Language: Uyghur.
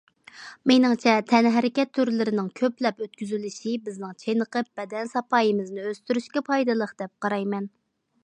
مېنىڭچە تەنھەرىكەت تۈرلىرىنىڭ كۆپلەپ ئۆتكۈزۈلۈشى بىزنىڭ چېنىقىپ، بەدەن ساپايىمىزنى ئۆستۈرۈشكە پايدىلىق دەپ قارايمەن.